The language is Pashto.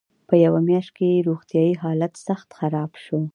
په یوه میاشت کې یې روغتیایي حالت سخت خراب شو.